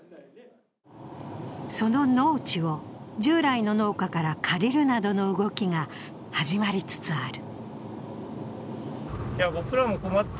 その農地を従来の農家から借りるなどの動きが始まりつつある。